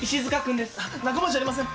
仲間じゃありません。